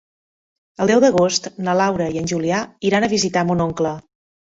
El deu d'agost na Laura i en Julià iran a visitar mon oncle.